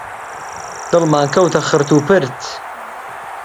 دڵمان کەوتە خرت و پرت